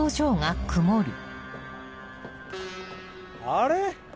あれ？